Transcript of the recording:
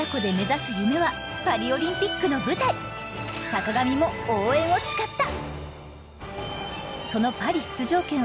坂上も応援を誓った！